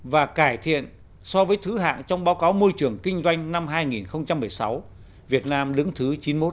và cải thiện so với thứ hạng trong báo cáo môi trường kinh doanh năm hai nghìn một mươi sáu việt nam đứng thứ chín mươi một